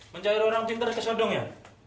mencari orang pinter kesodong ya